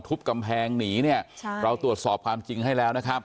ทุบกำแพงหนีเราตรวจสอบความจริงให้แล้ว